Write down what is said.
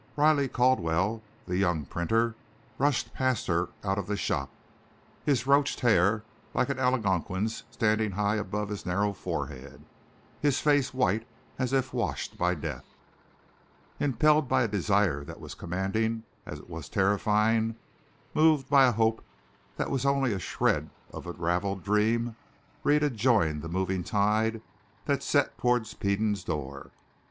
Riley Caldwell, the young printer, rushed past her out of the shop, his roached hair like an Algonquin's standing high above his narrow forehead, his face white as if washed by death. Impelled by a desire that was commanding as it was terrifying, moved by a hope that was only a shred of a raveled dream, Rhetta joined the moving tide that set toward Peden's door.